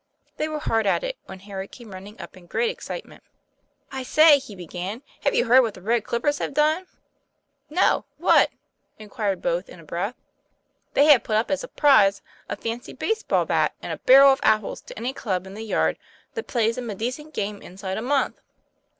They were hard at it, when Harry came running up in great excitement. "I say," he began, "have you heard what the Red Clippers have done ?" "No; what?" inquired both in a breath. "They have put up, as a prize, a fancy base ball bat and a barrel of apples to any club in the yard that plays 'em a decent game inside of a month."